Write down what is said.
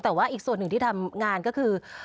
แต่ว่าอีกส่วนหนึ่งที่ทำงานก็คือ